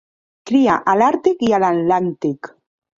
Cria a l'Àrtic i a l'Atlàntic.